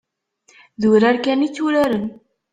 D urar kan i tturaren.